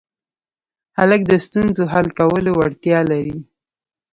هلک د ستونزو حل کولو وړتیا لري.